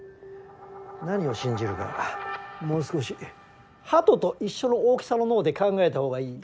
何を信じるかもう少しハトと一緒の大きさの脳で考えたほうがいい。